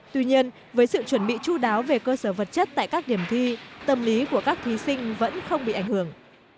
tuy nhiên với sự chuẩn bị chú đáo về cơ sở vật chất tại các điểm thi tâm lý của các thí sinh vẫn không bị ảnh hưởng